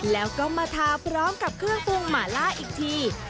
แล้วก็มาทาพร้อมกับเครื่องปรุงหมาล่าอีกที